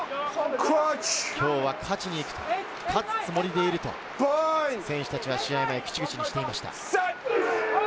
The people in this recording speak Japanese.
今日は勝ちに行く、勝つつもりでいると選手たちは試合前に口にしていました。